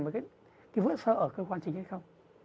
với cái vữa sơ ở cơ quan chính hay không